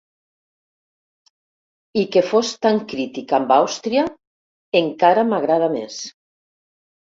I que fos tan crític amb Àustria encara m'agrada més.